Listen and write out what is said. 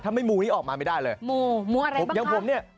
ถ้าไม่มูนี้ออกมาไม่ได้เลยมูมูอะไรผมอย่างผมเนี่ย